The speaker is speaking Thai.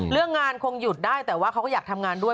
เรื่องงานคงหยุดได้แต่ว่าเขาก็อยากทำงานด้วย